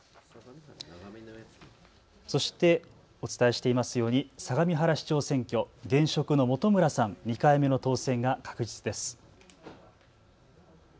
そしてお伝えしていますように相模原市長選挙、現職の本村さん、２回目の当選が確実です。